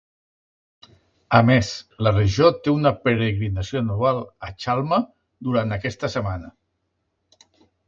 A més, la regió te una peregrinació anual a Chalma durant aquesta setmana.